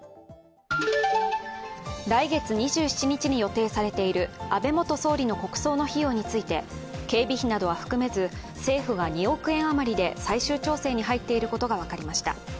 来月２７日に予定されている安倍元総理の国葬の費用について警備費などは含めず政府が２億円あまりで最終調整に入っていることが分かりました。